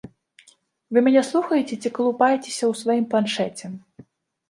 Вы мяне слухаеце ці калупаецеся ў сваім планшэце?!